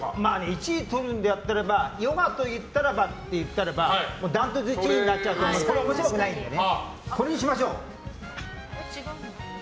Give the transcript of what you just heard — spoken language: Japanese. １位とるんであればヨガといったらばって言ったらダントツ１位になっちゃうのでそれは面白くないんでね。